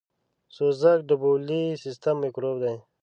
سوزک دبولي سیستم میکروب دی .